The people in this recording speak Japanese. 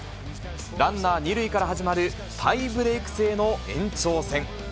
ランナー２塁から始まるタイブレーク制の延長戦。